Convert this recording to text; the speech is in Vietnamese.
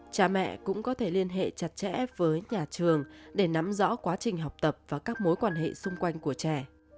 cha mẹ cũng có thể liên hệ chặt chẽ với nhà trường để nắm rõ quá trình học tập và các mối quan hệ xung quanh của trẻ